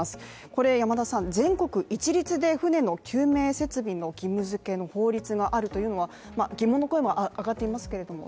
これ、全国一律で船の救命設備の義務づけの法律があるというのは疑問の声も上がっていますけど？